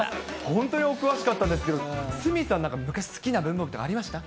本当にお詳しかったんですけど、鷲見さん、なんか昔、好きな文房具とか、ありました？